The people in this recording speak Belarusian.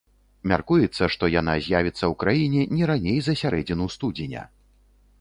Мяркуецца, што яна з'явіцца ў краіне не раней за сярэдзіну студзеня.